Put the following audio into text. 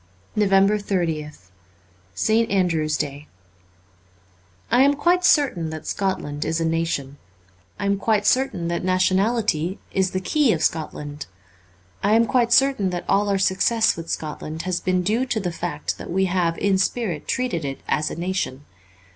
369 NOVEMBER 30th ST. ANDREW'S DAY I AM quite certain that Scotland is a nation ; I am quite certain that nationality is the key of Scotland ; I am quite certain that all our success with Scotland has been due to the fact that we have in spirit treated it as a nation.